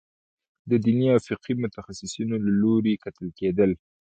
د دیني او فقهي متخصصینو له لوري کتل کېدل.